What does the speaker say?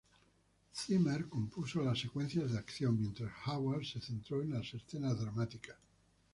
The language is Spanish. Zimmer compuso las secuencias de acción, mientras Howard se centró en las escenas dramáticas.